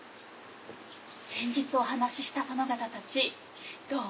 先日お話しした殿方たちどう？